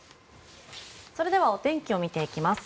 それではお天気を見ていきます。